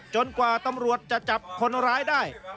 กว่าตำรวจจะจับคนร้ายได้